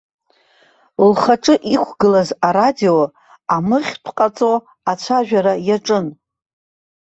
Лхаҿы иқәгылаз арадио амыхьтә ҟаҵо ацәажәара иаҿын.